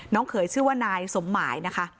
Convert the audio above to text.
น้องเขยชื่อว่านายสมหมาย